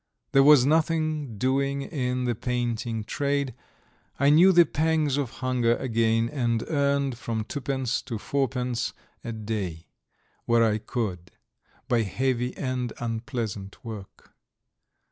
There was nothing doing in the painting trade. I knew the pangs of hunger again, and earned from twopence to fourpence a day, where I could, by heavy and unpleasant work.